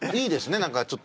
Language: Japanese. なんかちょっと。